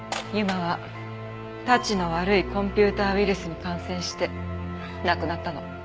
ＵＭＡはたちの悪いコンピューターウイルスに感染して亡くなったの。